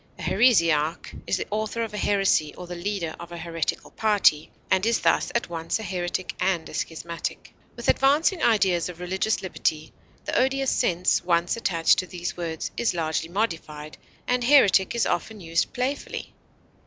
A heresiarch is the author of a heresy or the leader of a heretical party, and is thus at once a heretic and a schismatic. With advancing ideas of religious liberty, the odious sense once attached to these words is largely modified, and heretic is often used playfully.